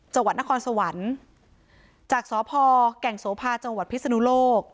จังหวัดนครสวรรค์จากสพแก่งโสภาจังหวัดพิศนุโลก